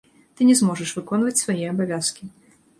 Ты не зможаш выконваць свае абавязкі.